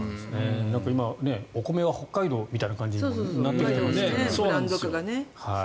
今、お米は北海道みたいになってきてますもんね。